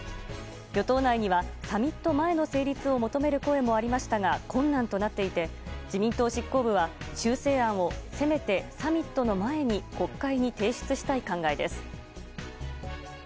与党内にはサミット前の成立を求める声もありましたが困難となっていて自民党執行部は修正案をせめてサミットの前に国会に提出したい考えです。